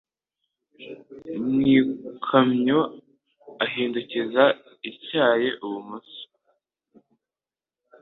Mu ikamyo ahindukiza ityaye ibumoso.